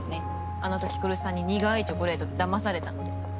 あのとき来栖さんに苦いチョコレートでだまされたので。